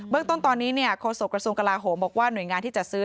ต้นตอนนี้โฆษกระทรวงกลาโหมบอกว่าหน่วยงานที่จัดซื้อ